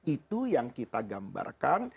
itu yang kita gambarkan